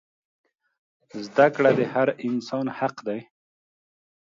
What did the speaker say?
زده کړه د هر انسان حق دی.